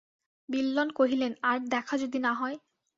বিল্বন কহিলেন, আর দেখা যদি না হয়।